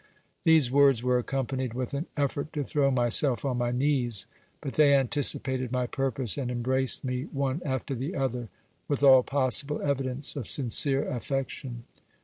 These words were accompanied with an effort to throw myself on my knees ; but they anticipated my purpose, and embraced me one after the other with all possible evidence of sincere affection.